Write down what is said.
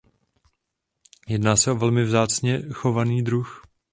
Jedná se o velmi vzácně chovaný druh.